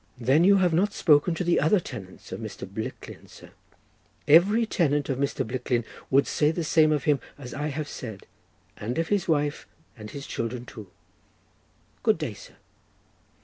"Then you have not spoken to the other tenants of Mr. Blicklin, sir. Every tenant of Mr. Blicklin would say the same of him as I have said, and of his wife and his children too. Good day, sir!"